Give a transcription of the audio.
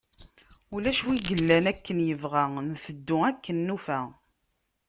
Ulac win yellan akken yebɣa, nteddu akken nufa.